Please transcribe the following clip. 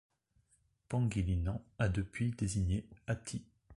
Pangilinan a depuis désigné Atty.